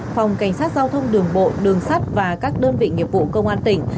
phòng cảnh sát giao thông đường bộ đường sắt và các đơn vị nghiệp vụ công an tỉnh